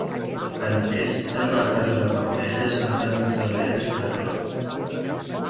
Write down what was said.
Tanmateix, s'han donat casos de papaorelles entrant dins les orelles per error.